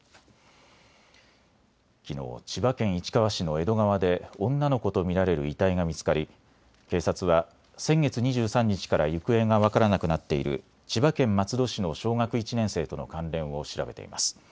きのう千葉県市川市の江戸川で女の子と見られる遺体が見つかり警察は先月２３日から行方が分からなくなっている千葉県松戸市の小学１年生との関連を調べています。